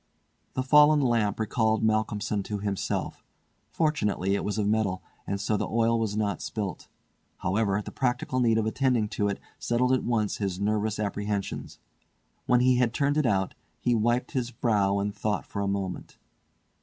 The fallen lamp recalled Malcolmson to himself. Fortunately it was of metal, and so the oil was not spilt. However, the practical need of attending to it settled at once his nervous apprehensions. When he had turned it out, he wiped his brow and thought for a moment.